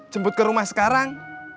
jemput ke rumah sekarang